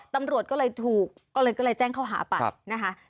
ตำรวจก็เลยถูกก็เลยแจ้งเข้าหาไปนะคะ